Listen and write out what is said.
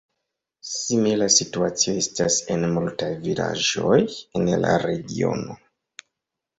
Simila situacio estas en multaj vilaĝoj en la regiono.